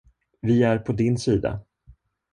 Vi är på din sida.